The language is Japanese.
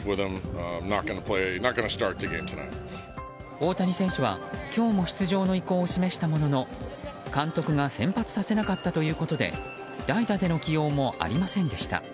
大谷選手は今日も出場の意向を示したものの監督が先発させなかったということで代打での起用もありませんでした。